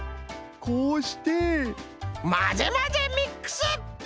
こうしてまぜまぜミックス！